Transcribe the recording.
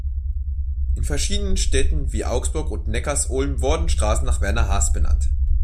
In verschiedenen Städten wie Augsburg und Neckarsulm wurden Straßen nach Werner Haas benannt.